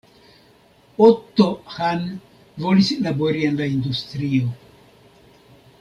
Otto Hahn volis labori en la industrio.